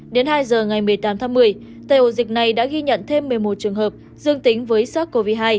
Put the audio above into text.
đến hai giờ ngày một mươi tám tháng một mươi tây ổ dịch này đã ghi nhận thêm một mươi một trường hợp dương tính với sars cov hai